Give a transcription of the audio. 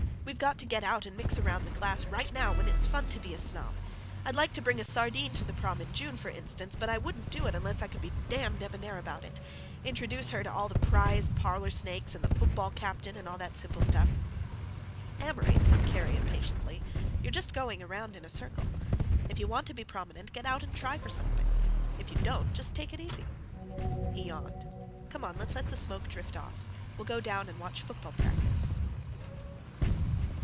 We've got to get out and mix around the class right now, when it's fun to be a snob. I'd like to bring a sardine to the prom in June, for instance, but I wouldn't do it unless I could be damn debonaire about it—introduce her to all the prize parlor snakes, and the football captain, and all that simple stuff." "Amory," said Kerry impatiently, "you're just going around in a circle. If you want to be prominent, get out and try for something; if you don't, just take it easy." He yawned. "Come on, let's let the smoke drift off. We'll go down and watch football practice."